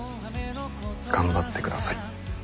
頑張ってください。